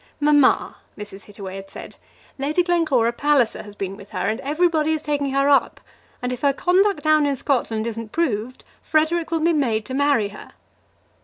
"Mamma," Mrs. Hittaway had said, "Lady Glencora Palliser has been with her, and everybody is taking her up, and if her conduct down in Scotland isn't proved, Frederic will be made to marry her."